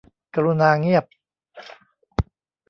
กรุณาเงียบ